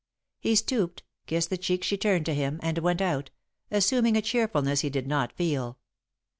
He stooped, kissed the cheek she turned to him, and went out, assuming a cheerfulness he did not feel.